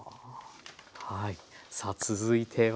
さあ続いては。